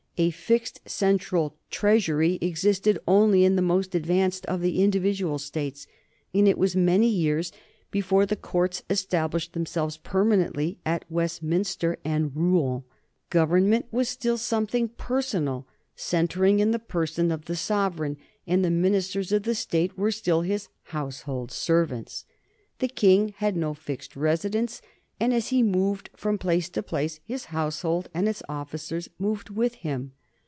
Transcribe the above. A fixed central treasury existed only in the most advanced of the individual states, and it was many years before the courts established themselves permanently at Westminster and Rouen. Government was still something personal, centring in the person of the sovereign, and the ministers of the state were still his household servants. The king had no fixed residence, and as he moved from place to place, his household and its officers moved with him.